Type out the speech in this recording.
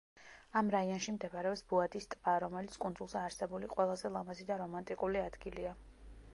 ამ რაიონში მდებარეობს ბუადის ტბა, რომელიც კუნძულზე არსებული ყველაზე ლამაზი და რომანტიკული ადგილია.